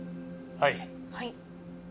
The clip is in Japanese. はい。